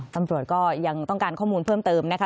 ตำรวจก็ยังต้องการข้อมูลเพิ่มเติมนะคะ